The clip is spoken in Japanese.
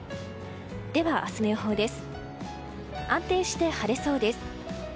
では、明日の予報です。